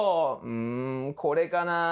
うんこれかなあ？